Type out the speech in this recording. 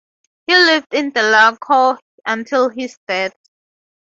He lived in Delanco until his death.